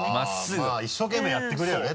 一生懸命やってくれるよね